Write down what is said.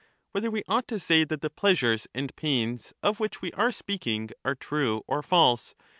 Whether we ought to say that the pleasures and pains of which we are speaking are true or false